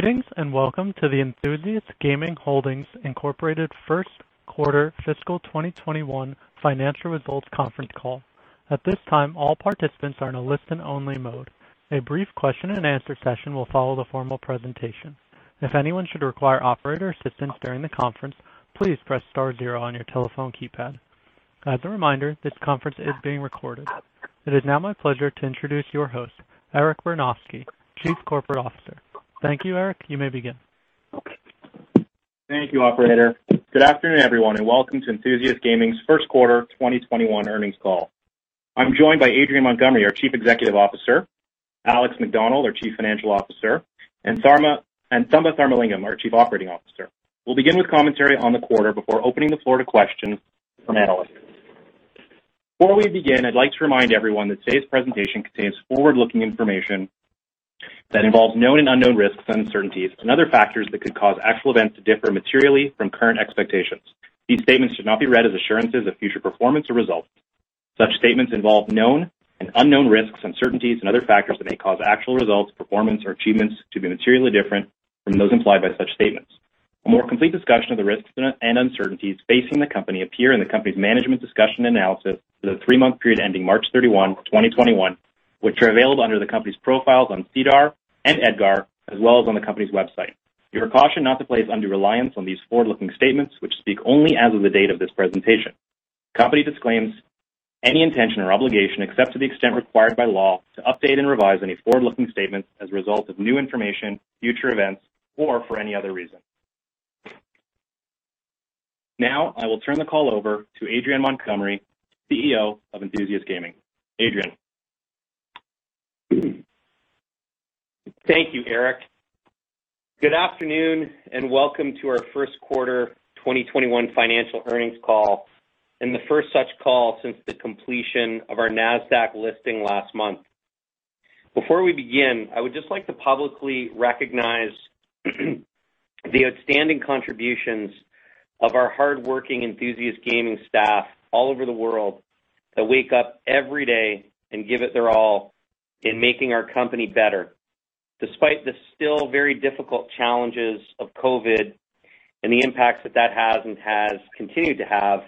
Greetings, and welcome to the Enthusiast Gaming Holdings Inc. First Quarter Fiscal 2021 Financial Results Conference Call. At this time, all participants are in a listen-only mode. A brief question and answer session will follow the formal presentation. If anyone should require operator assistance during the conference, please press star zero on your telephone keypad. As a reminder, this conference is being recorded. It is now my pleasure to introduce your host, Eric Bernofsky, Chief Corporate Officer. Thank you, Eric. You may begin. Thank you, operator. Good afternoon, everyone, and welcome to Enthusiast Gaming's first quarter 2021 earnings call. I'm joined by Adrian Montgomery, our Chief Executive Officer, Alex Macdonald, our Chief Financial Officer, and Thamba Tharmalingam, our Chief Operating Officer. We'll begin with commentary on the quarter before opening the floor to questions from analysts. Before we begin, I'd like to remind everyone that today's presentation contains forward-looking information that involves known and unknown risks and uncertainties and other factors that could cause actual events to differ materially from current expectations. These statements should not be read as assurances of future performance or results. Such statements involve known and unknown risks, uncertainties, and other factors that may cause actual results, performance, or achievements to be materially different from those implied by such statements. A more complete discussion of the risks and uncertainties facing the company appear in the company's Management Discussion and Analysis for the three-month period ending March 31, 2021, which are available under the company's profiles on SEDAR and EDGAR, as well as on the company's website. You are cautioned not to place undue reliance on these forward-looking statements which speak only as of the date of this presentation. The company disclaims any intention or obligation, except to the extent required by law, to update and revise any forward-looking statements as a result of new information, future events, or for any other reason. I will turn the call over to Adrian Montgomery, CEO of Enthusiast Gaming. Adrian. Thank you, Eric. Good afternoon, and welcome to our first quarter 2021 financial earnings call and the first such call since the completion of our Nasdaq listing last month. Before we begin, I would just like to publicly recognize the outstanding contributions of our hardworking Enthusiast Gaming staff all over the world that wake up every day and give it their all in making our company better, despite the still very difficult challenges of COVID and the impacts that that has and has continued to have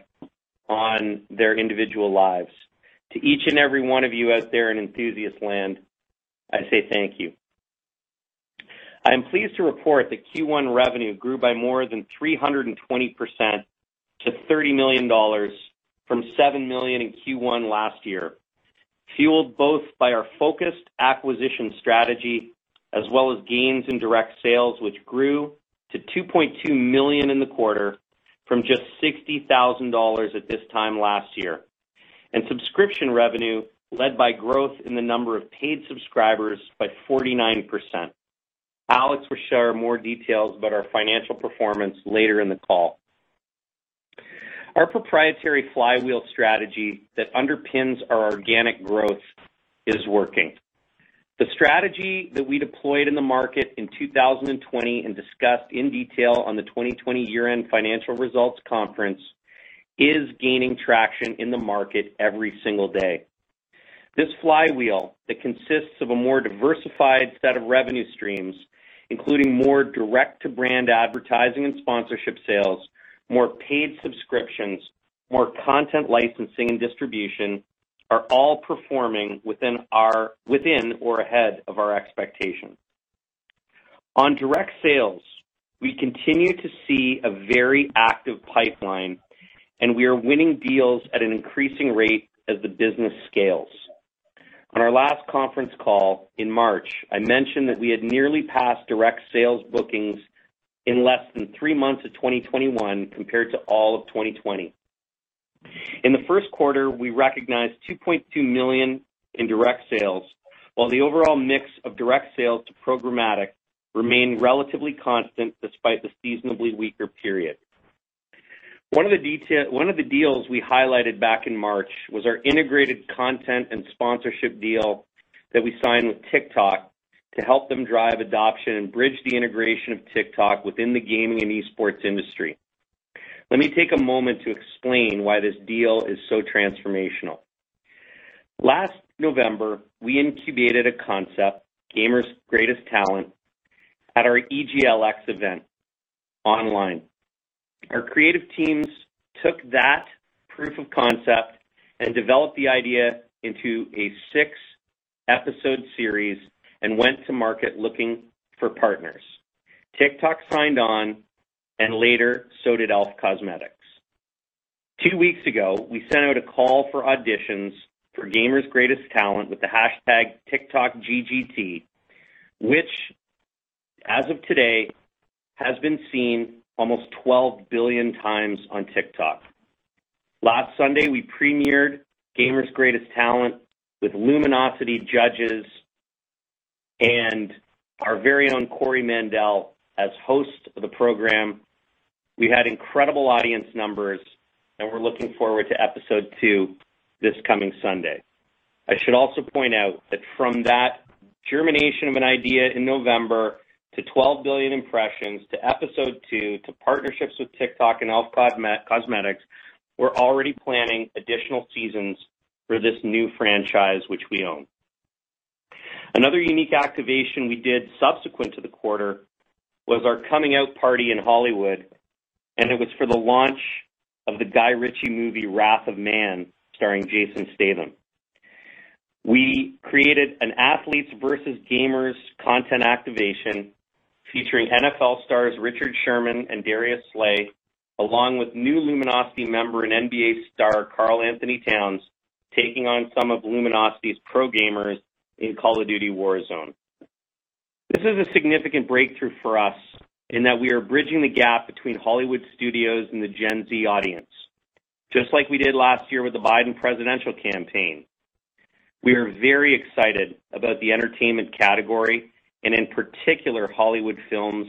on their individual lives. To each and every one of you out there in Enthusiast land, I say thank you. I am pleased to report that Q1 revenue grew by more than 320% to 30 million dollars from 7 million in Q1 last year, fueled both by our focused acquisition strategy as well as gains in direct sales, which grew to 2.2 million in the quarter from just 60,000 dollars at this time last year. Subscription revenue led by growth in the number of paid subscribers by 49%. Alex will share more details about our financial performance later in the call. Our proprietary flywheel strategy that underpins our organic growth is working. The strategy that we deployed in the market in 2020 and discussed in detail on the 2020 year-end financial results conference is gaining traction in the market every single day. This flywheel that consists of a more diversified set of revenue streams, including more direct-to-brand advertising and sponsorship sales, more paid subscriptions, more content licensing and distribution, are all performing within or ahead of our expectation. On direct sales, we continue to see a very active pipeline, and we are winning deals at an increasing rate as the business scales. On our last conference call in March, I mentioned that we had nearly passed direct sales bookings in less than three months of 2021 compared to all of 2020. In the first quarter, we recognized 2.2 million in direct sales, while the overall mix of direct sales to programmatic remained relatively constant despite the seasonably weaker period. One of the deals we highlighted back in March was our integrated content and sponsorship deal that we signed with TikTok to help them drive adoption and bridge the integration of TikTok within the gaming and e-sports industry. Let me take a moment to explain why this deal is so transformational. Last November, we incubated a concept, Gamer's Greatest Talent, at our EGLX event online. Our creative teams took that proof of concept and developed the idea into a six-episode series and went to market looking for partners. TikTok signed on. Later, so did e.l.f. Cosmetics. Two weeks ago, we sent out a call for auditions for Gamer's Greatest Talent with the hashtag TikTokGGT, which, as of today, has been seen almost 12 billion times on TikTok. Last Sunday, we premiered Gamer's Greatest Talent with Luminosity judges and our very own Corey Mandell as host of the program. We had incredible audience numbers. We're looking forward to episode two this coming Sunday. I should also point out that from that germination of an idea in November to 12 billion impressions to episode two to partnerships with TikTok and e.l.f. Cosmetics, we're already planning additional seasons for this new franchise which we own. Another unique activation we did subsequent to the quarter was our coming out party in Hollywood, and it was for the launch of the Guy Ritchie movie, "Wrath of Man," starring Jason Statham. We created an athletes versus gamers content activation featuring NFL stars Richard Sherman and Darius Slay, along with new Luminosity member and NBA star Karl-Anthony Towns, taking on some of Luminosity's pro gamers in "Call of Duty: Warzone." This is a significant breakthrough for us in that we are bridging the gap between Hollywood studios and the Gen Z audience, just like we did last year with the Biden presidential campaign. We are very excited about the entertainment category, and in particular, Hollywood films,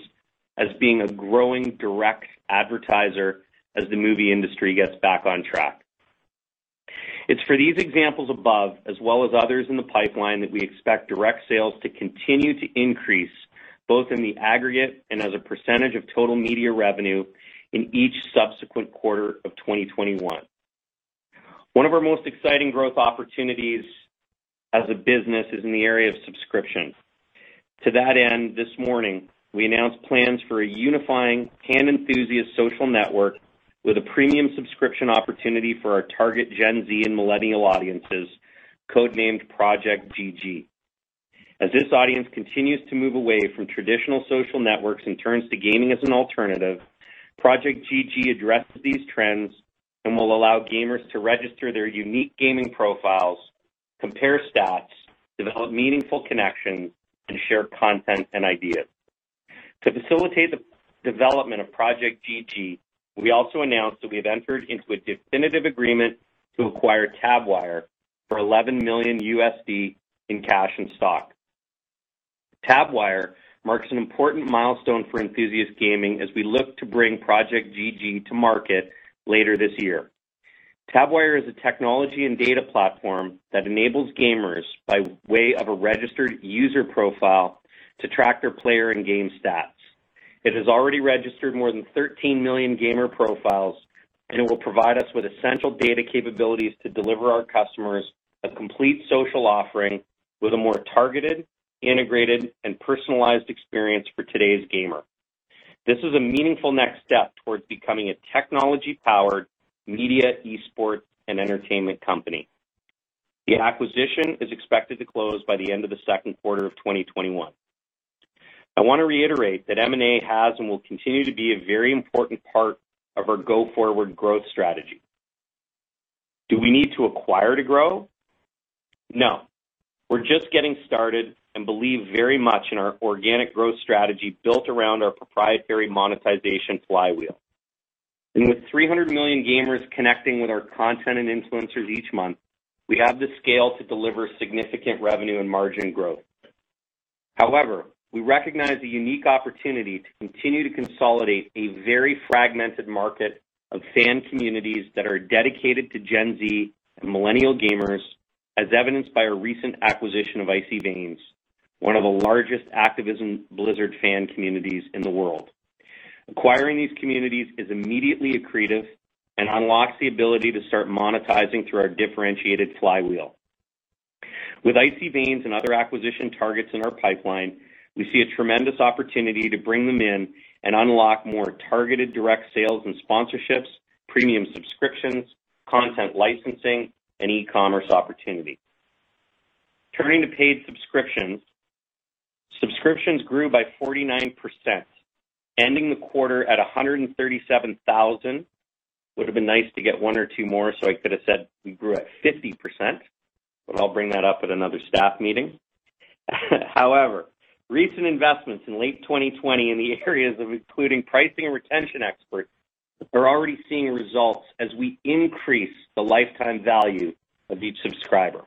as being a growing direct advertiser as the movie industry gets back on track. It's for these examples above, as well as others in the pipeline, that we expect direct sales to continue to increase, both in the aggregate and as a percentage of total media revenue in each subsequent quarter of 2021. One of our most exciting growth opportunities as a business is in the area of subscription. To that end, this morning, we announced plans for a unifying fan enthusiast social network with a premium subscription opportunity for our target Gen Z and millennial audiences, codenamed Project GG. As this audience continues to move away from traditional social networks and turns to gaming as an alternative, Project GG addresses these trends and will allow gamers to register their unique gaming profiles, compare stats, develop meaningful connections, and share content and ideas. To facilitate the development of Project GG, we also announced that we have entered into a definitive agreement to acquire Tabwire for $11 million USD in cash and stock. Tabwire marks an important milestone for Enthusiast Gaming as we look to bring Project GG to market later this year. Tabwire is a technology and data platform that enables gamers, by way of a registered user profile, to track their player and game stats. It has already registered more than 13 million gamer profiles, and it will provide us with essential data capabilities to deliver our customers a complete social offering with a more targeted, integrated, and personalized experience for today's gamer. This is a meaningful next step towards becoming a technology-powered media esports and entertainment company. The acquisition is expected to close by the end of the second quarter of 2021. I want to reiterate that M&A has and will continue to be a very important part of our go-forward growth strategy. Do we need to acquire to grow? No. We're just getting started and believe very much in our organic growth strategy built around our proprietary monetization flywheel. With 300 million gamers connecting with our content and influencers each month, we have the scale to deliver significant revenue and margin growth. However, we recognize the unique opportunity to continue to consolidate a very fragmented market of fan communities that are dedicated to Gen Z and millennial gamers, as evidenced by our recent acquisition of Icy Veins, one of the largest Activision Blizzard fan communities in the world. Acquiring these communities is immediately accretive and unlocks the ability to start monetizing through our differentiated flywheel. With Icy Veins and other acquisition targets in our pipeline, we see a tremendous opportunity to bring them in and unlock more targeted direct sales and sponsorships, premium subscriptions, content licensing, and e-commerce opportunities. Turning to paid subscriptions. Subscriptions grew by 49%, ending the quarter at 137,000. Would've been nice to get one or two more so I could have said we grew at 50%, but I'll bring that up at another staff meeting. However, recent investments in late 2020 in the areas including pricing and retention experts are already seeing results as we increase the lifetime value of each subscriber.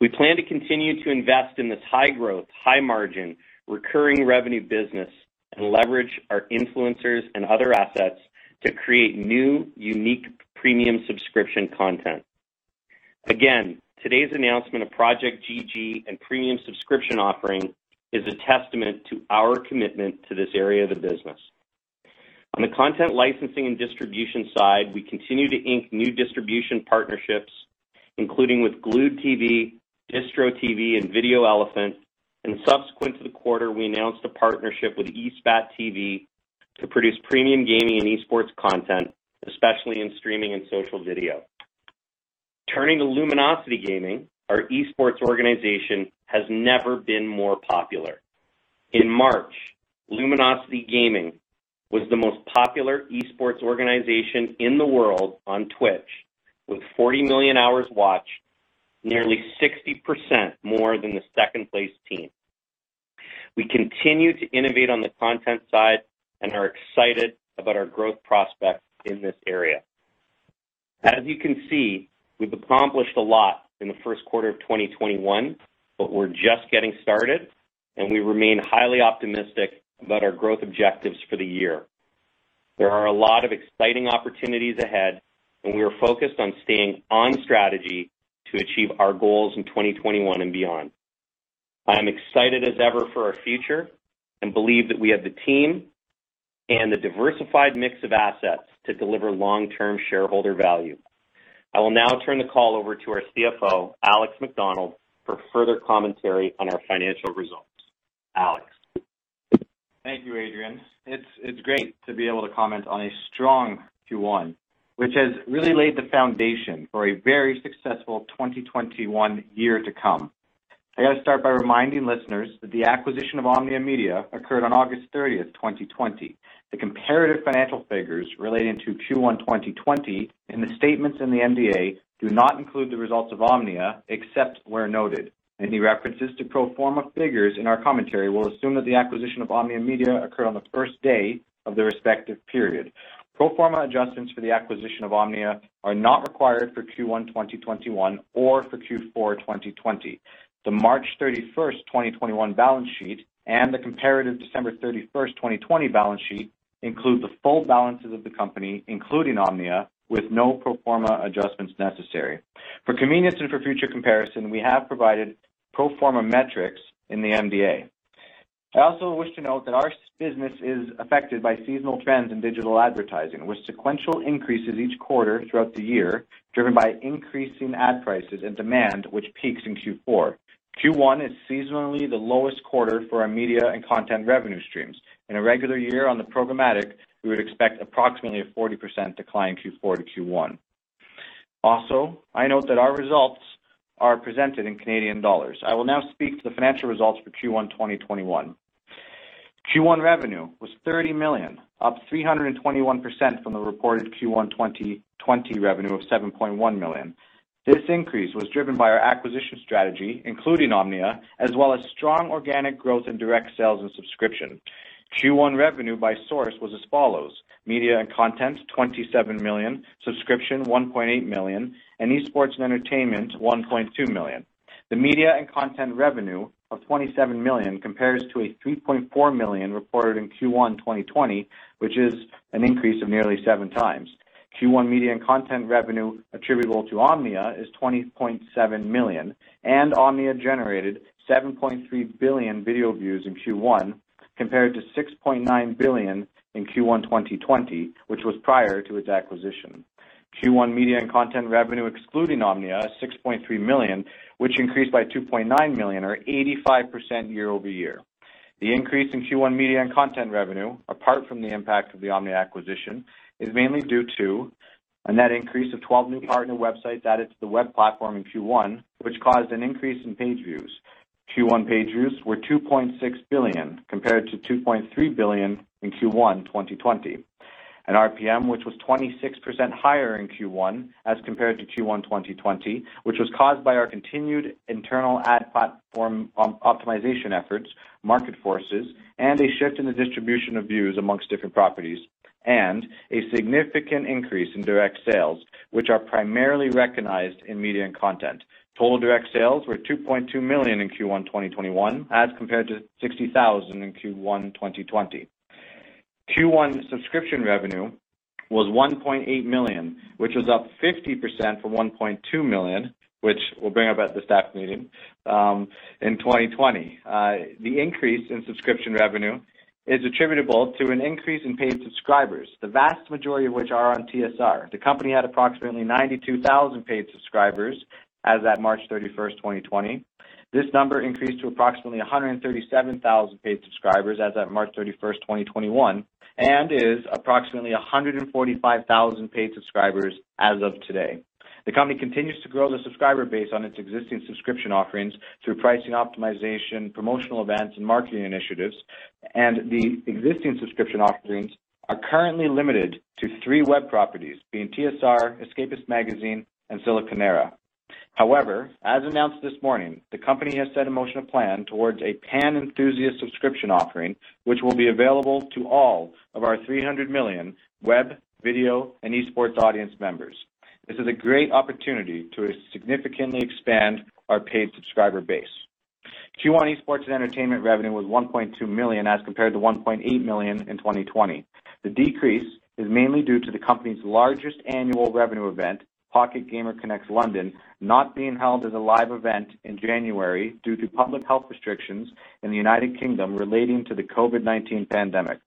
We plan to continue to invest in this high-growth, high-margin, recurring revenue business and leverage our influencers and other assets to create new, unique premium subscription content. Today's announcement of Project GG and premium subscription offering is a testament to our commitment to this area of the business. On the content licensing and distribution side, we continue to ink new distribution partnerships, including with Glewed TV, DistroTV, and VideoElephant, and subsequent to the quarter, we announced a partnership with ESTV to produce premium gaming and esports content, especially in streaming and social video. Turning to Luminosity Gaming, our esports organization has never been more popular. In March, Luminosity Gaming was the most popular esports organization in the world on Twitch, with 40 million hours watched, nearly 60% more than the second-place team. We continue to innovate on the content side and are excited about our growth prospects in this area. As you can see, we've accomplished a lot in the first quarter of 2021, but we're just getting started, and we remain highly optimistic about our growth objectives for the year. There are a lot of exciting opportunities ahead, and we are focused on staying on strategy to achieve our goals in 2021 and beyond. I am excited as ever for our future and believe that we have the team and the diversified mix of assets to deliver long-term shareholder value. I will now turn the call over to our CFO, Alex Macdonald, for further commentary on our financial results. Alex. Thank you, Adrian. It's great to be able to comment on a strong Q1, which has really laid the foundation for a very successful 2021 year to come. I got to start by reminding listeners that the acquisition of Omnia Media occurred on August 30th, 2020. The comparative financial figures relating to Q1 2020 and the statements in the MD&A do not include the results of Omnia, except where noted. Any references to pro forma figures in our commentary will assume that the acquisition of Omnia Media occurred on the first day of the respective period. Pro forma adjustments for the acquisition of Omnia are not required for Q1 2021 or for Q4 2020. The March 31st, 2021 balance sheet and the comparative December 31st, 2020 balance sheet include the full balances of the company, including Omnia, with no pro forma adjustments necessary. For convenience and for future comparison, we have provided pro forma metrics in the MDA. I also wish to note that our business is affected by seasonal trends in digital advertising, with sequential increases each quarter throughout the year, driven by increasing ad prices and demand, which peaks in Q4. Q1 is seasonally the lowest quarter for our media and content revenue streams. In a regular year on the programmatic, we would expect approximately a 40% decline in Q4-Q1. Also, I note that our results are presented in Canadian dollars. I will now speak to the financial results for Q1 2021. Q1 revenue was 30 million, up 321% from the reported Q1 2020 revenue of 7.1 million. This increase was driven by our acquisition strategy, including Omnia, as well as strong organic growth in direct sales and subscription. Q1 revenue by source was as follows: media and content, 27 million; subscription, 1.8 million; and esports and entertainment, 1.2 million. The media and content revenue of 27 million compares to 3.4 million reported in Q1 2020, which is an increase of nearly seven times. Q1 media and content revenue attributable to Omnia is 20.7 million, and Omnia generated 7.3 billion video views in Q1, compared to 6.9 billion in Q1 2020, which was prior to its acquisition. Q1 media and content revenue excluding Omnia is 6.3 million, which increased by 2.9 million, or 85% year-over-year. The increase in Q1 media and content revenue, apart from the impact of the Omnia acquisition, is mainly due to a net increase of 12 new partner websites added to the web platform in Q1, which caused an increase in page views. Q1 page views were 2.6 billion, compared to 2.3 billion in Q1 2020. RPM, which was 26% higher in Q1 as compared to Q1 2020, which was caused by our continued internal ad platform optimization efforts, market forces, and a shift in the distribution of views amongst different properties, and a significant increase in direct sales, which are primarily recognized in media and content. Total direct sales were 2.2 million in Q1 2021 as compared to 60,000 in Q1 2020. Q1 subscription revenue was 1.8 million, which was up 50% from 1.2 million, which we'll bring up at the staff meeting, in 2020. The increase in subscription revenue is attributable to an increase in paid subscribers, the vast majority of which are on TSR. The company had approximately 92,000 paid subscribers as at March 31st, 2020. This number increased to approximately 137,000 paid subscribers as at March 31st, 2021, and is approximately 145,000 paid subscribers as of today. The company continues to grow the subscriber base on its existing subscription offerings through pricing optimization, promotional events, and marketing initiatives. The existing subscription offerings are currently limited to three web properties, being TSR, The Escapist Magazine, and Siliconera. However, as announced this morning, the company has set in motion a plan towards a pan-Enthusiast subscription offering, which will be available to all of our 300 million web, video, and esports audience members. This is a great opportunity to significantly expand our paid subscriber base. Q1 esports and entertainment revenue was 1.2 million as compared to 1.8 million in 2020. The decrease is mainly due to the company's largest annual revenue event, Pocket Gamer Connects London, not being held as a live event in January due to public health restrictions in the United Kingdom relating to the COVID-19 pandemic.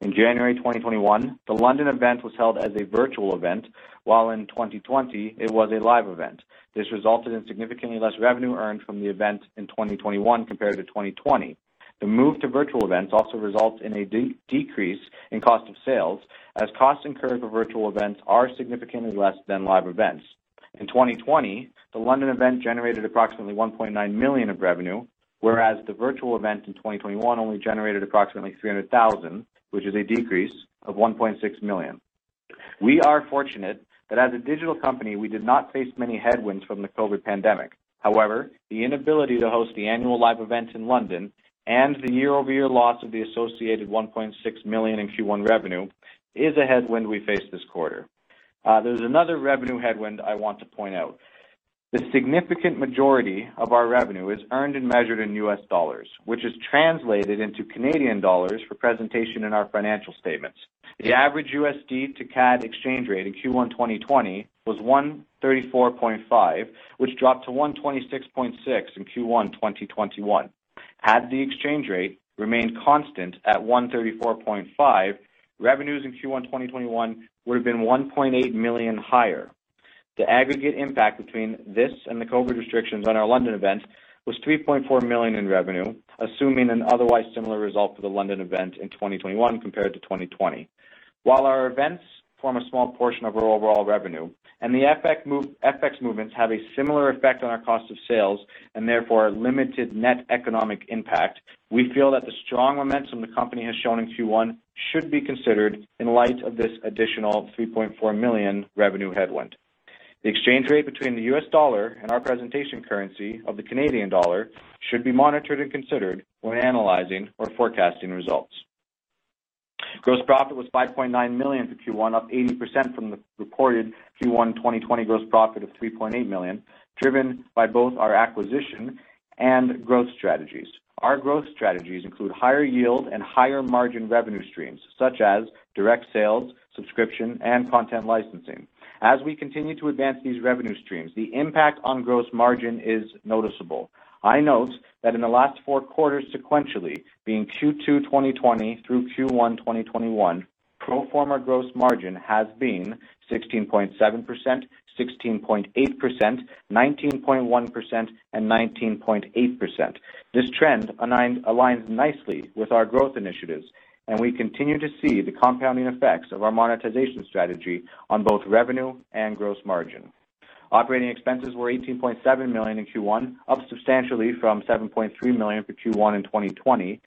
In January 2021, the London event was held as a virtual event, while in 2020, it was a live event. This resulted in significantly less revenue earned from the event in 2021 compared to 2020. The move to virtual events also results in a decrease in cost of sales, as costs incurred for virtual events are significantly less than live events. In 2020, the London event generated approximately 1.9 million of revenue, whereas the virtual event in 2021 only generated approximately 300,000, which is a decrease of 1.6 million. We are fortunate that as a digital company, we did not face many headwinds from the COVID pandemic. The inability to host the annual live event in London and the year-over-year loss of the associated 1.6 million in Q1 revenue is a headwind we faced this quarter. There's another revenue headwind I want to point out. The significant majority of our revenue is earned and measured in US dollars, which is translated into Canadian dollars for presentation in our financial statements. The average USD to CAD exchange rate in Q1 2020 was 134.5, which dropped to 126.6 in Q1 2021. Had the exchange rate remained constant at 134.5, revenues in Q1 2021 would have been 1.8 million higher. The aggregate impact between this and the COVID-19 restrictions on our London event was 3.4 million in revenue, assuming an otherwise similar result for the London event in 2021 compared to 2020. While our events form a small portion of our overall revenue and the FX movements have a similar effect on our cost of sales and therefore a limited net economic impact, we feel that the strong momentum the company has shown in Q1 should be considered in light of this additional CAD 3.4 million revenue headwind. The exchange rate between the U.S. dollar and our presentation currency of the Canadian dollar should be monitored and considered when analyzing or forecasting results. Gross profit was 5.9 million for Q1, up 80% from the reported Q1 2020 gross profit of 3.8 million driven by both our acquisition and growth strategies. Our growth strategies include higher yield and higher-margin revenue streams such as direct sales, subscription, and content licensing. As we continue to advance these revenue streams, the impact on gross margin is noticeable. I note that in the last four quarters sequentially, being Q2 2020 through Q1 2021, pro forma gross margin has been 16.7%, 16.8%, 19.1%, and 19.8%. This trend aligns nicely with our growth initiatives, and we continue to see the compounding effects of our monetization strategy on both revenue and gross margin. Operating expenses were 18.7 million in Q1, up substantially from 7.3 million for Q1 in 2020.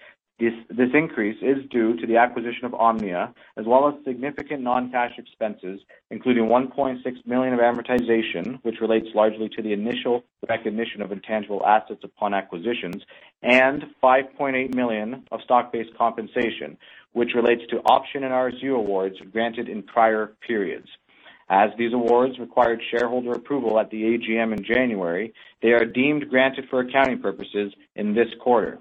This increase is due to the acquisition of Omnia, as well as significant non-cash expenses, including 1.6 million of amortization, which relates largely to the initial recognition of intangible assets upon acquisitions, and 5.8 million of stock-based compensation, which relates to option and RSU awards granted in prior periods. As these awards required shareholder approval at the AGM in January, they are deemed granted for accounting purposes in this quarter.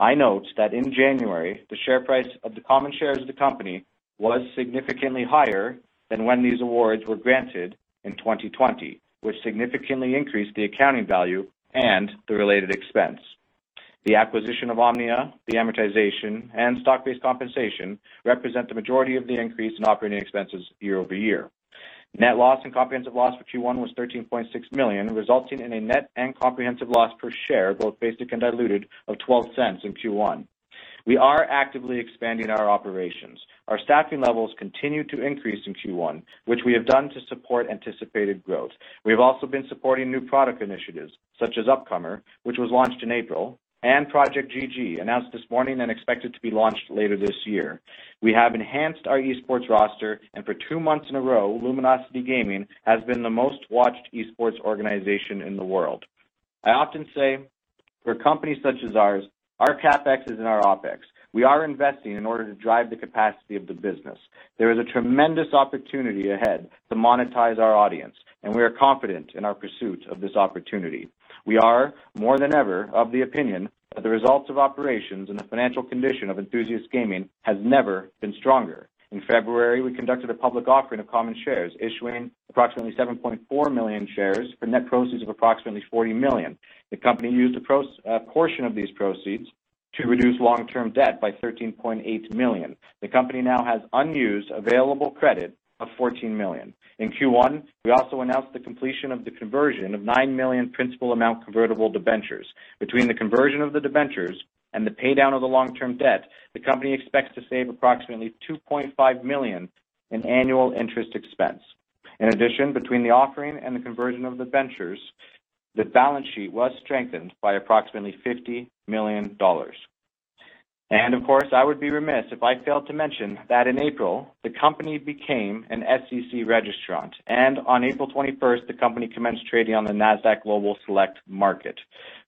I note that in January, the share price of the common shares of the company was significantly higher than when these awards were granted in 2020, which significantly increased the accounting value and the related expense. The acquisition of Omnia, the amortization, and stock-based compensation represent the majority of the increase in operating expenses year-over-year. Net loss and comprehensive loss for Q1 was 13.6 million, resulting in a net and comprehensive loss per share, both basic and diluted, of 0.12 in Q1. We are actively expanding our operations. Our staffing levels continued to increase in Q1, which we have done to support anticipated growth. We have also been supporting new product initiatives such as Upcomer, which was launched in April, and Project GG, announced this morning and expected to be launched later this year. We have enhanced our esports roster, and for two months in a row, Luminosity Gaming has been the most-watched esports organization in the world. I often say for companies such as ours, our CapEx is in our OpEx. We are investing in order to drive the capacity of the business. There is a tremendous opportunity ahead to monetize our audience, and we are confident in our pursuit of this opportunity. We are more than ever of the opinion that the results of operations and the financial condition of Enthusiast Gaming has never been stronger. In February, we conducted a public offering of common shares, issuing approximately 7.4 million shares for net proceeds of approximately 40 million. The company used a portion of these proceeds to reduce long-term debt by 13.8 million. The company now has unused available credit of 14 million. In Q1, we also announced the completion of the conversion of 9 million principal amount convertible debentures. Between the conversion of the debentures and the pay-down of the long-term debt, the company expects to save approximately 2.5 million in annual interest expense. In addition, between the offering and the conversion of the debentures, the balance sheet was strengthened by approximately 50 million dollars. Of course, I would be remiss if I failed to mention that in April, the company became an SEC registrant, and on April 21st, the company commenced trading on the Nasdaq Global Select Market.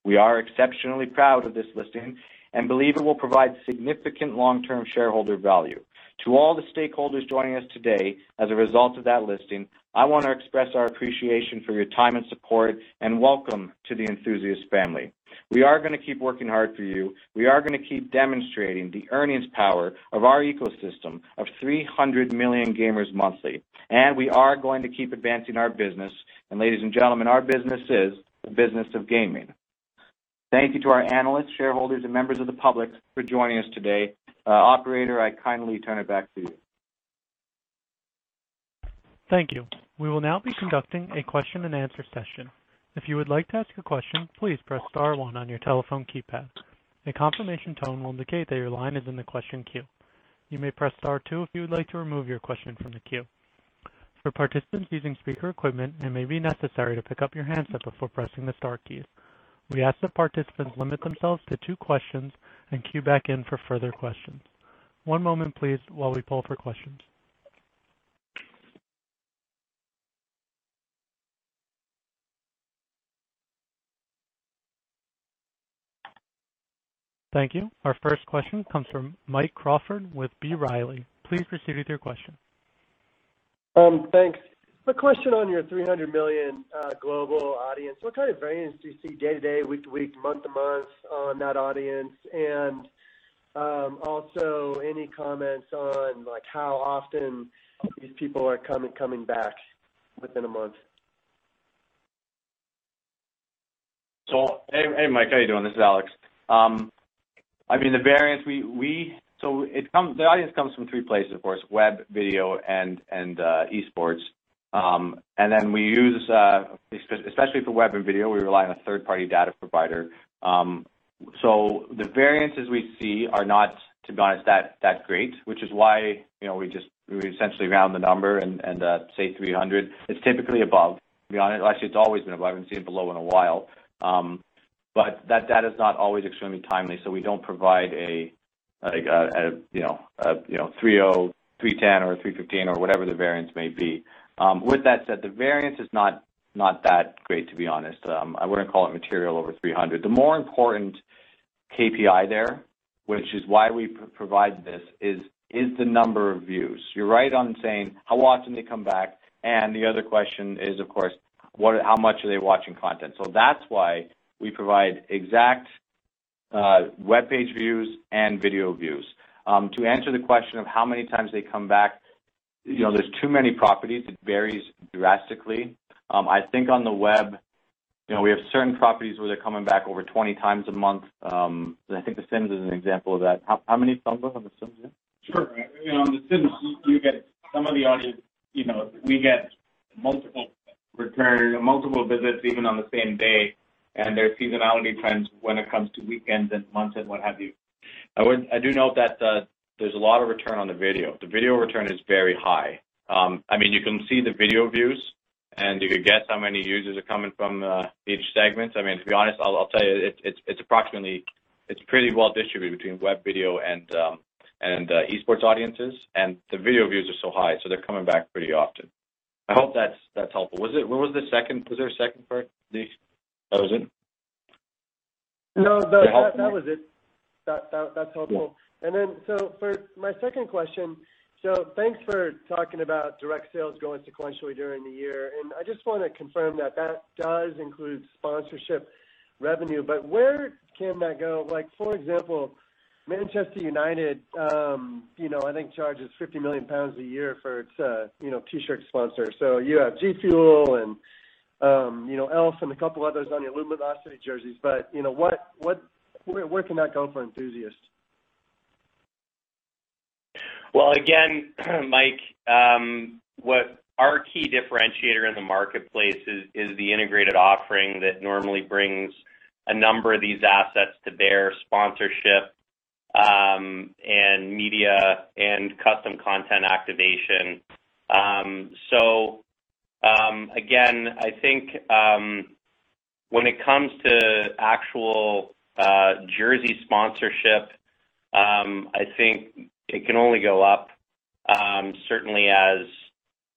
We are exceptionally proud of this listing and believe it will provide significant long-term shareholder value. To all the stakeholders joining us today as a result of that listing, I want to express our appreciation for your time and support, and welcome to the Enthusiast family. We are going to keep working hard for you. We are going to keep demonstrating the earnings power of our ecosystem of 300 million gamers monthly, and we are going to keep advancing our business. Ladies and gentlemen, our business is the business of gaming. Thank you to our analysts, shareholders, and members of the public for joining us today. Operator, I kindly turn it back to you. Thank you. We will now be conducting a question-and-answer session. If you would like to ask a question, please press star one on your telephone keypad. A confirmation tone will indicate that your line is in the question queue. You may press star two if you would like to remove your question from the queue. For participants using speaker equipment, it may be necessary to pick up your handset before pressing the star keys. We ask that participants limit themselves to two questions and queue back in for further questions. One moment, please, while we poll for questions. Thank you. Our first question comes from Mike Crawford with B. Riley. Please proceed with your question. Thanks. A question on your 300 million global audience. What kind of variance do you see day to day, week to week, month to month on that audience? Also, any comments on how often these people are coming back within a month? Hey, Mike, how are you doing? This is Alex. The audience comes from three places, of course, web, video, and esports. We use, especially for web and video, we rely on a third-party data provider. The variances we see are not, to be honest, that great, which is why we essentially round the number and say 300. It's typically above, to be honest. Actually, it's always been above. I haven't seen it below in a while. That data is not always extremely timely, so we don't provide a 300, 310, or 315 or whatever the variance may be. With that said, the variance is not that great, to be honest. I wouldn't call it material over 300. The more important KPI there, which is why we provide this, is the number of views. You're right on saying how often they come back, and the other question is, of course, how much are they watching content? That's why we provide exact webpage views and video views. To answer the question of how many times they come back, there's too many properties. It varies drastically. I think on the web, we have certain properties where they're coming back over 20 times a month. I think The Sims is an example of that. How many, Thamba, on The Sims? Sure. On The Sims, we get multiple visits even on the same day, and there are seasonality trends when it comes to weekends and months and what have you. I do note that there's a lot of return on the video. The video return is very high. You can see the video views, and you could guess how many users are coming from each segment. To be honest, I'll tell you, it's pretty well distributed between web video and esports audiences, and the video views are so high, so they're coming back pretty often. I hope that's helpful. Was there a second part to this? No, that was it. Did I help? That's helpful. Yeah. For my second question, thanks for talking about direct sales going sequentially during the year, and I just want to confirm that that does include sponsorship revenue. Where can that go? For example, Manchester United, I think charges 50 million pounds a year for its T-shirt sponsor. You have G FUEL and e.l.f. Cosmetics and a couple others on your Luminosity jerseys. Where can that go for Enthusiast? Well, again, Mike, our key differentiator in the marketplace is the integrated offering that normally brings a number of these assets to bear sponsorship and media and custom content activation. Again, I think when it comes to actual jersey sponsorship, I think it can only go up, certainly as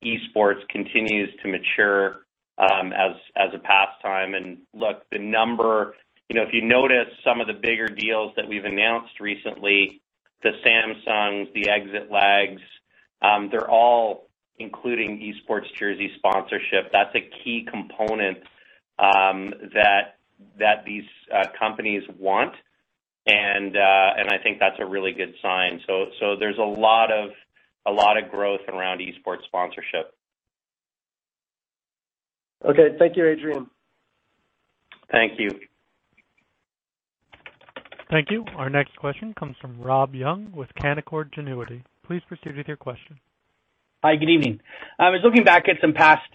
esports continues to mature as a pastime. Look, if you notice some of the bigger deals that we've announced recently, the Samsungs, the ExitLag, they're all including esports jersey sponsorship. That's a key component that these companies want, and I think that's a really good sign. There's a lot of growth around esports sponsorship. Okay. Thank you, Adrian. Thank you. Thank you. Our next question comes from Rob Young with Canaccord Genuity. Please proceed with your question. Hi, good evening. I was looking back at some past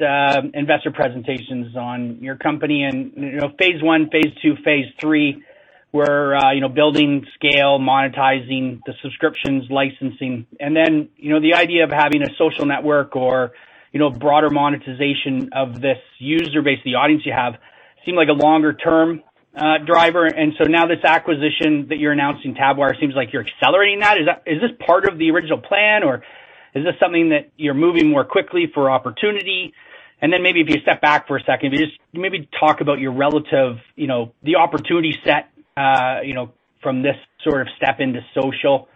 investor presentations on your company and phase one, phase two, phase three were building scale, monetizing the subscriptions, licensing, and then the idea of having a social network or broader monetization of this user base, the audience you have, seemed like a longer-term driver. Now this acquisition that you're announcing, Tabwire, seems like you're accelerating that. Is this part of the original plan, or is this something that you're moving more quickly for opportunity? Then maybe if you step back for a second, could you just maybe talk about the opportunity set from this sort of step into social,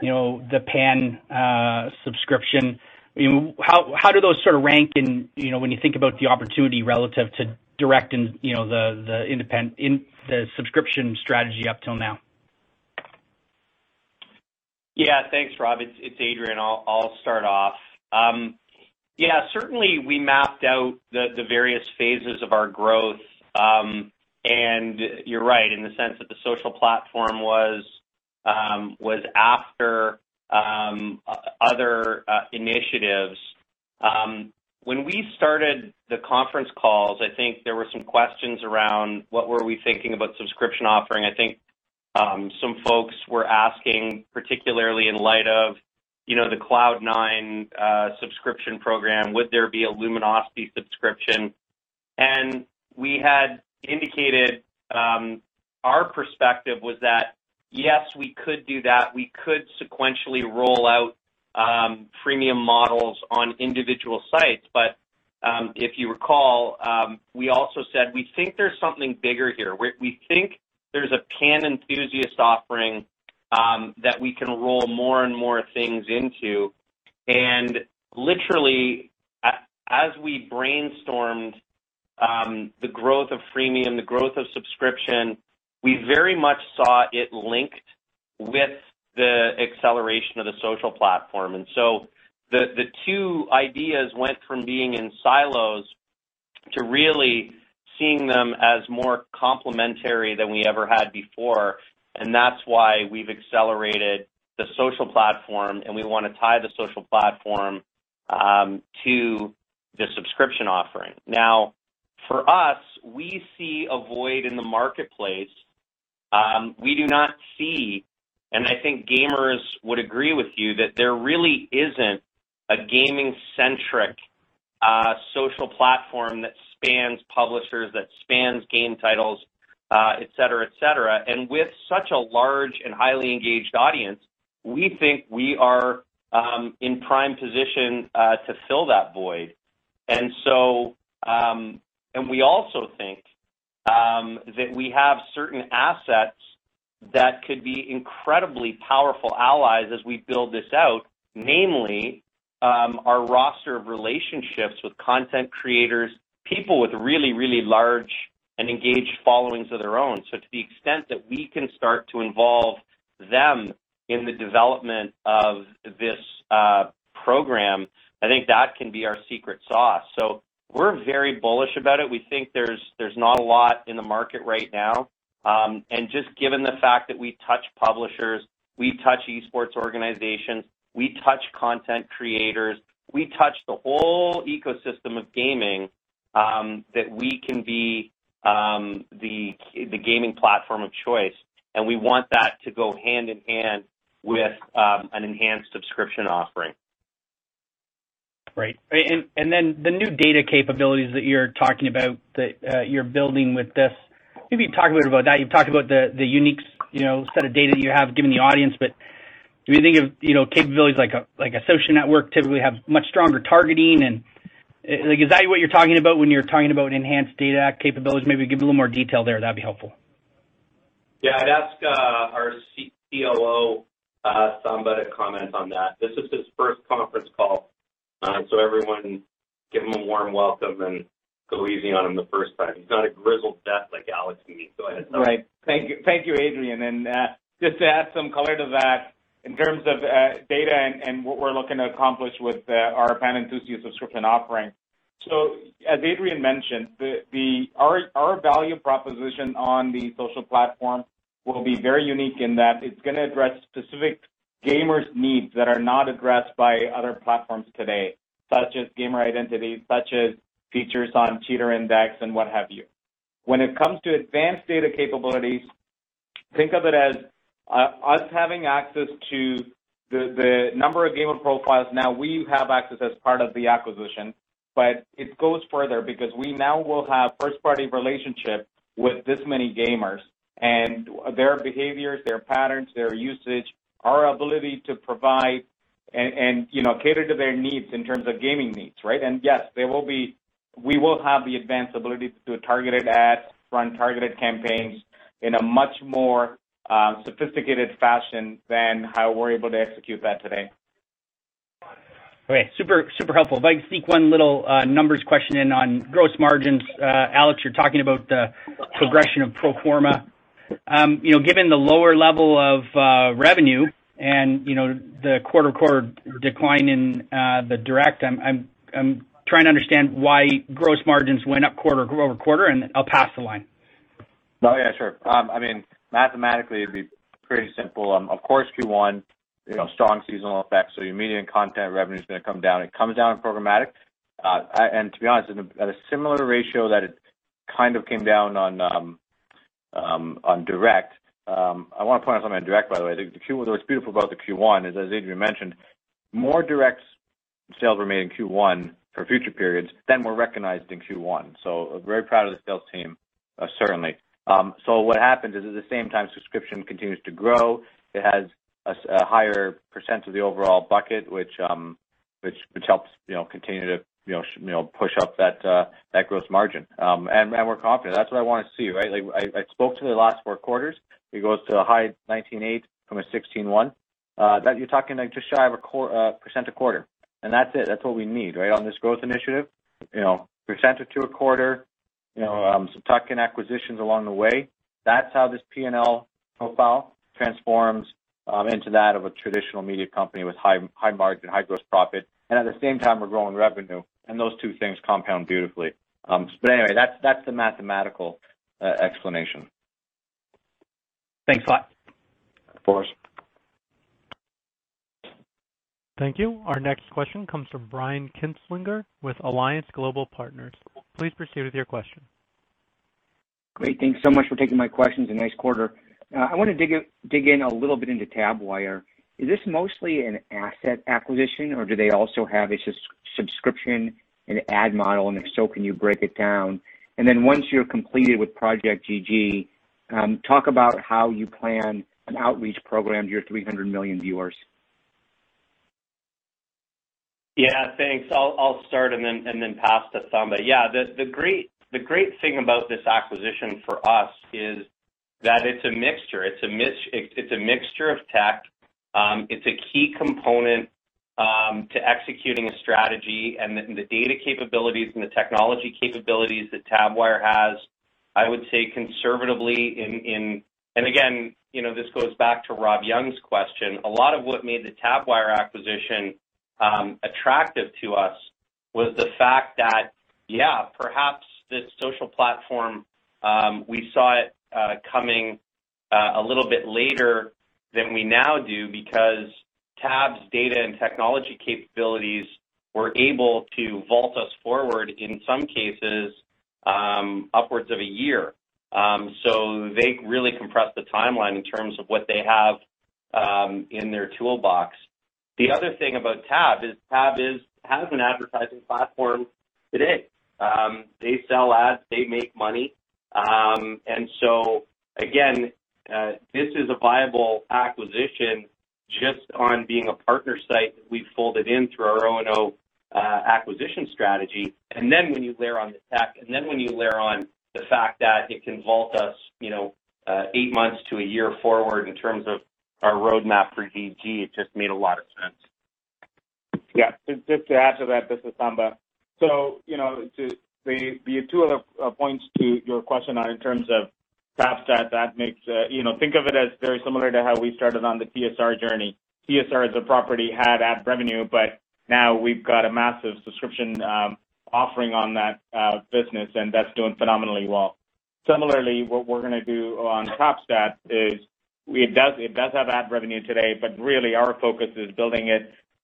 the pan subscription. How do those sort of rank in when you think about the opportunity relative to direct and the subscription strategy up till now? Yeah. Thanks, Rob. It's Adrian. I'll start off. Certainly we mapped out the various phases of our growth, and you're right in the sense that the social platform was after other initiatives. When we started the conference calls, I think there were some questions around what were we thinking about subscription offering. I think some folks were asking, particularly in light of the Cloud9 subscription program, would there be a Luminosity subscription? We had indicated our perspective was that, yes, we could do that. We could sequentially roll out premium models on individual sites, but. If you recall, we also said we think there's something bigger here. We think there's a fan enthusiast offering that we can roll more and more things into. Literally, as we brainstormed the growth of freemium, the growth of subscription, we very much saw it linked with the acceleration of the social platform. The two ideas went from being in silos to really seeing them as more complementary than we ever had before, and that's why we've accelerated the social platform, and we want to tie the social platform to the subscription offering. For us, we see a void in the marketplace. We do not see, and I think gamers would agree with you, that there really isn't a gaming-centric social platform that spans publishers, that spans game titles, et cetera. With such a large and highly engaged audience, we think we are in prime position to fill that void. We also think that we have certain assets that could be incredibly powerful allies as we build this out, namely our roster of relationships with content creators, people with really large and engaged followings of their own. To the extent that we can start to involve them in the development of this program, I think that can be our secret sauce. We're very bullish about it. We think there's not a lot in the market right now. Just given the fact that we touch publishers, we touch esports organizations, we touch content creators, we touch the whole ecosystem of gaming, that we can be the gaming platform of choice. We want that to go hand in hand with an enhanced subscription offering. Great. The new data capabilities that you're talking about, that you're building with this, maybe talk a bit about that. You've talked about the unique set of data that you have given the audience. Do you think of capabilities like a social network typically have much stronger targeting? Is that what you're talking about when you're talking about enhanced data capabilities? Maybe give a little more detail there. That'd be helpful. Yeah. I'd ask our COO, Thamba, to comment on that. This is his first conference call. Everyone give him a warm welcome and go easy on him the first time. He's not a grizzled vet like Alex and me. Go ahead, Thamba. Right. Thank you, Adrian. Just to add some color to that in terms of data and what we're looking to accomplish with our fan Enthusiast subscription offering. As Adrian mentioned, our value proposition on the social platform will be very unique in that it's going to address specific gamers' needs that are not addressed by other platforms today, such as gamer identity, such as features on cheater index and what have you. When it comes to advanced data capabilities, think of it as us having access to the number of gamer profiles now we have access as part of the acquisition. It goes further because we now will have first-party relationship with this many gamers and their behaviors, their patterns, their usage, our ability to provide and cater to their needs in terms of gaming needs, right? Yes, we will have the advanced ability to do targeted ads, run targeted campaigns in a much more sophisticated fashion than how we're able to execute that today. Okay. Super helpful. If I can sneak one little numbers question in on gross margins. Alex, you're talking about the progression of pro forma. Given the lower level of revenue and the quarter-over-quarter decline in the direct, I'm trying to understand why gross margins went up quarter-over-quarter, and I'll pass the line. Yeah, sure. Mathematically, it would be pretty simple. Of course, Q1, strong seasonal effects, your media and content revenue is going to come down. It comes down in programmatic. To be honest, at a similar ratio that it kind of came down on direct. I want to point out something on direct, by the way. What is beautiful about the Q1 is, as Adrian mentioned, more direct sales remained in Q1 for future periods than were recognized in Q1. Very proud of the sales team, certainly. What happens is, at the same time subscription continues to grow, it has a higher percent of the overall bucket, which helps continue to push up that gross margin. We are confident. That is what I want to see, right? I spoke to the last four quarters. It goes to a high 19.8% from a 16.1%. You're talking just shy of 1% a quarter. That's it. That's what we need, right? On this growth initiative, 1% or 2% a quarter, some tuck-in acquisitions along the way. That's how this P&L profile transforms into that of a traditional media company with high margin, high gross profit. At the same time, we're growing revenue. Those two things compound beautifully. Anyway, that's the mathematical explanation. Thanks a lot. Of course. Thank you. Our next question comes from Brian Kinstlinger with Alliance Global Partners. Please proceed with your question. Great. Thanks so much for taking my questions. A nice quarter. I want to dig in a little bit into Tabwire. Is this mostly an asset acquisition, or do they also have a subscription and ad model, and if so, can you break it down? Then once you're completed with Project GG, talk about how you plan an outreach program to your 300 million viewers? Yeah, thanks. I'll start and then pass to Thamba. The great thing about this acquisition for us is that it's a mixture. It's a mixture of tech. It's a key component to executing a strategy, and the data capabilities and the technology capabilities that Tabwire has, I would say conservatively. Again, this goes back to Rob Young's question. A lot of what made the Tabwire acquisition attractive to us was the fact that, perhaps this social platform, we saw it coming a little bit later than we now do, because Tab's data and technology capabilities were able to vault us forward, in some cases, upwards of a year. They really compressed the timeline in terms of what they have in their toolbox. The other thing about Tab is Tab has an advertising platform today. They sell ads, they make money. Again, this is a viable acquisition just on being a partner site that we folded in through our O&O acquisition strategy. When you layer on the tech, and then when you layer on the fact that it can vault us eight months to a year forward in terms of our roadmap for GG, it just made a lot of sense. Just to add to that, this is Thamba. The two other points to your question are in terms of Tabwire, think of it as very similar to how we started on the TSR journey. TSR as a property had ad revenue, but now we've got a massive subscription offering on that business, and that's doing phenomenally well. Similarly, what we're going to do on [Tabwire] is it does have ad revenue today, but really our focus is building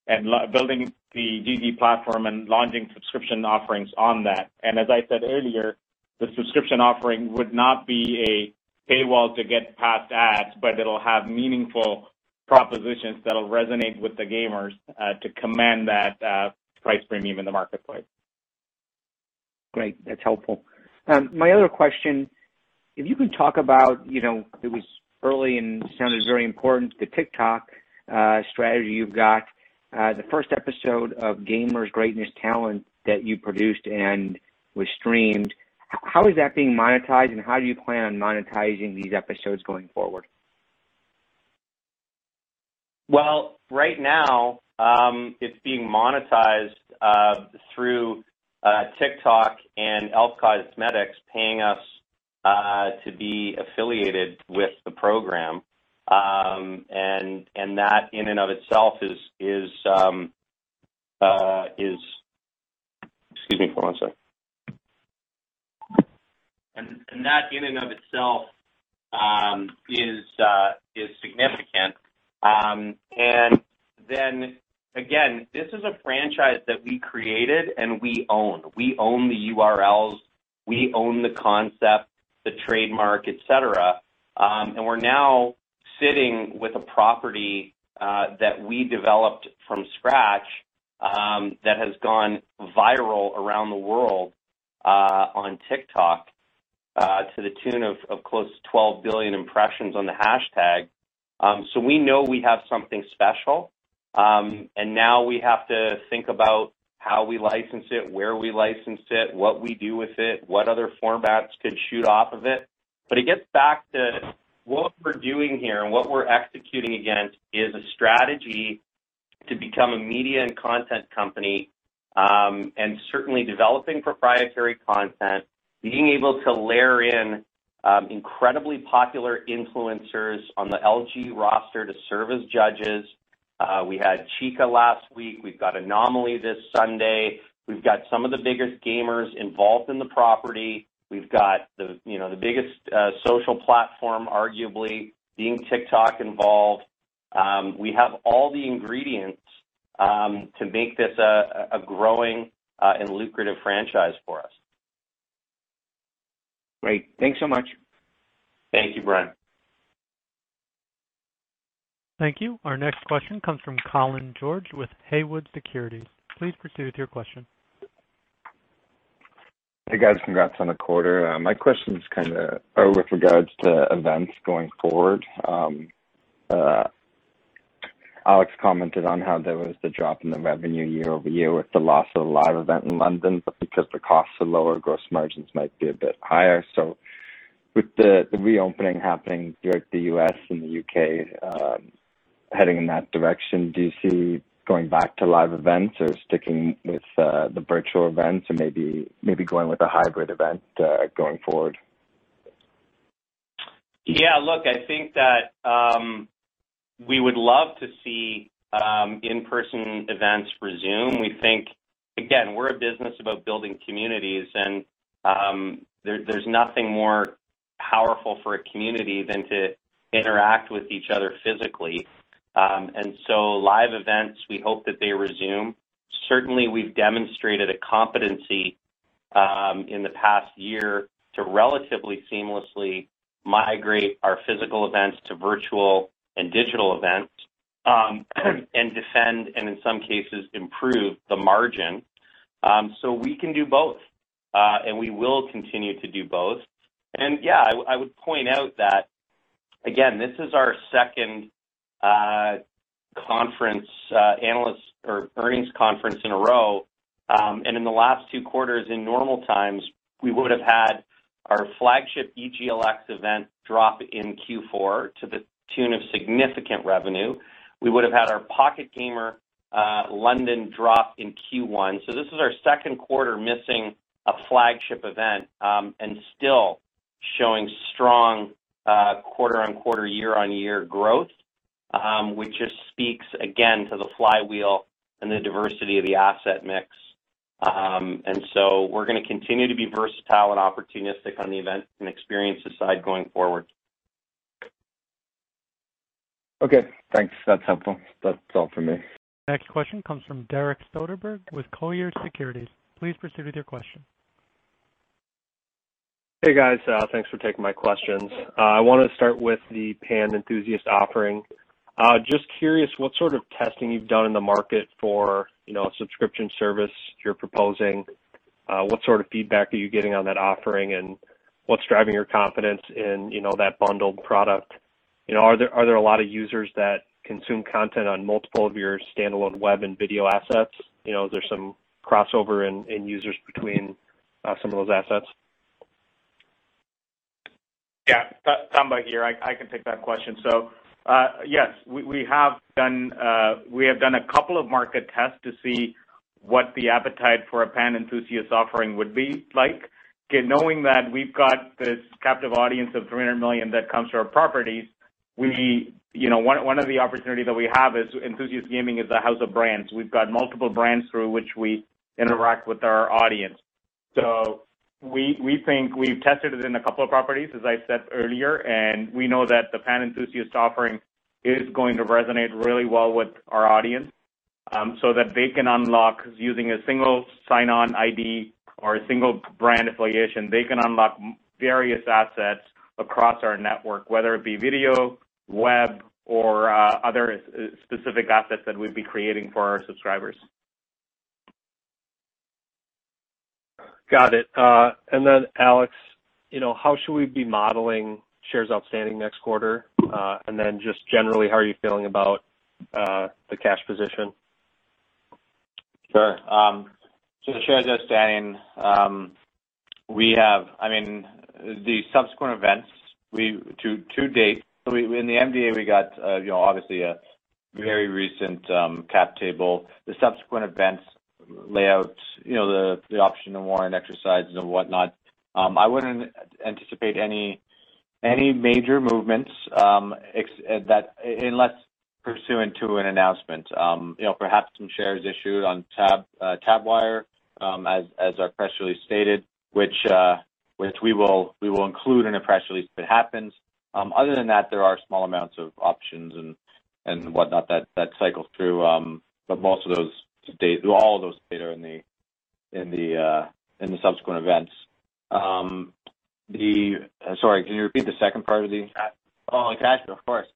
the GG platform and launching subscription offerings on that. As I said earlier, the subscription offering would not be a paywall to get past ads, but it'll have meaningful propositions that'll resonate with the gamers to command that price premium in the marketplace. Great. That's helpful. My other question, if you can talk about, it was early and sounded very important, the TikTok strategy you've got. The first episode of Gamers Greatness Talent that you produced and was streamed, how is that being monetized and how do you plan on monetizing these episodes going forward? Well, right now, it's being monetized through TikTok and e.l.f. Cosmetics paying us to be affiliated with the program. That in and of itself is significant. Again, this is a franchise that we created and we own. We own the URLs. We own the concept, the trademark, et cetera. We're now sitting with a property that we developed from scratch, that has gone viral around the world on TikTok, to the tune of close to 12 billion impressions on the hashtag. We know we have something special. Now we have to think about how we license it, where we license it, what we do with it, what other formats could shoot off of it. It gets back to what we're doing here and what we're executing against is a strategy to become a media and content company, and certainly developing proprietary content, being able to layer in incredibly popular influencers on the LG roster to serve as judges. We had Chica last week. We've got Anomaly this Sunday. We've got some of the biggest gamers involved in the property. We've got the biggest social platform, arguably being TikTok involved. We have all the ingredients to make this a growing and lucrative franchise for us. Great. Thanks so much. Thank you, Brian. Thank you. Our next question comes from Colin George with Haywood Securities. Please proceed with your question. Hey, guys. Congrats on the quarter. My question is with regards to events going forward. Alex Macdonald commented on how there was the drop in the revenue year-over-year with the loss of a live event in London, but because the costs are lower, gross margins might be a bit higher. With the reopening happening here at the U.S. and the U.K., heading in that direction, do you see going back to live events or sticking with the virtual events or maybe going with a hybrid event, going forward? Yeah, look, I think that we would love to see in-person events resume. We think, again, we're a business about building communities, and there's nothing more powerful for a community than to interact with each other physically. Live events, we hope that they resume. Certainly, we've demonstrated a competency in the past year to relatively seamlessly migrate our physical events to virtual and digital events, and defend, and in some cases, improve the margin. We can do both, and we will continue to do both. Yeah, I would point out that, again, this is our second earnings conference in a row. In the last two quarters in normal times, we would have had our flagship EGLX event drop in Q4 to the tune of significant revenue. We would have had our Pocket Gamer Connects London drop in Q1. This is our second quarter missing a flagship event and still showing strong quarter-on-quarter, year-on-year growth, which just speaks again to the flywheel and the diversity of the asset mix. We're going to continue to be versatile and opportunistic on the event and experiences side going forward. Okay, thanks. That is helpful. That is all for me. Next question comes from Derek Soderberg with Colliers Securities. Please proceed with your question. Hey, guys. Thanks for taking my questions. I want to start with the Pan Enthusiast offering. Just curious what sort of testing you've done in the market for subscription service you're proposing. What sort of feedback are you getting on that offering, and what's driving your confidence in that bundled product? Are there a lot of users that consume content on multiple of your standalone web and video assets? Is there some crossover in users between some of those assets? Yeah. Thamba here. I can take that question. Yes. We have done a couple of market tests to see what the appetite for a Pan Enthusiast offering would be like, knowing that we've got this captive audience of 300 million that comes to our properties. One of the opportunities that we have is Enthusiast Gaming is a house of brands. We've got multiple brands through which we interact with our audience. We think we've tested it in a couple of properties, as I said earlier, and we know that the Pan Enthusiast offering is going to resonate really well with our audience, so that they can unlock, using a single sign-on ID or a single brand affiliation, they can unlock various assets across our network, whether it be video, web, or other specific assets that we'd be creating for our subscribers. Got it. Alex, how should we be modeling shares outstanding next quarter? Just generally, how are you feeling about the cash position? Sure. The shares outstanding, the subsequent events to date, in the MDA, we got obviously a very recent cap table. The subsequent events lay out the option to warrant exercises and whatnot. I wouldn't anticipate any major movements unless pursuant to an announcement. Perhaps some shares issued on Tabwire, as our press release stated, which we will include in a press release if it happens. Other than that, there are small amounts of options and whatnot that cycle through, but most of those to date, all of those to date are in the subsequent events. Sorry, can you repeat the second part of the? Cash. Cash. Of course.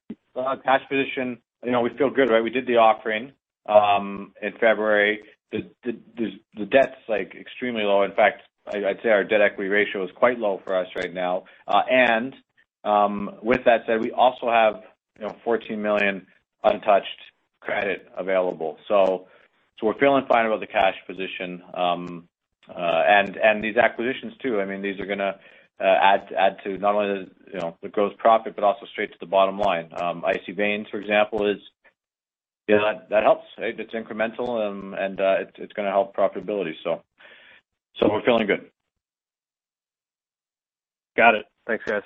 Cash position, we feel good. We did the offering in February. The debt's extremely low. In fact, I'd say our debt equity ratio is quite low for us right now. With that said, we also have 14 million untouched credit available. We're feeling fine about the cash position. These acquisitions too, these are going to add to not only the gross profit, but also straight to the bottom line. Icy Veins, for example, that helps. It's incremental, and it's going to help profitability. We're feeling good. Got it. Thanks, guys.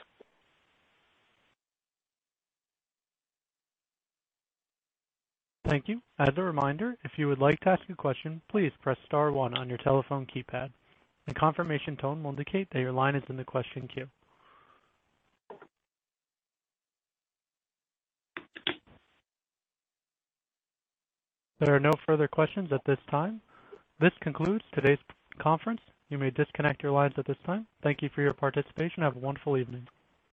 Thank you. As a reminder, if you would like to ask a question, please press star one on your telephone keypad. A confirmation tone will indicate that your line is in the question queue. There are no further questions at this time. This concludes today's conference. You may disconnect your lines at this time. Thank you for your participation. Have a wonderful evening.